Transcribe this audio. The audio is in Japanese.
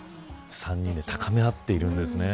３人で高めあってるんですね。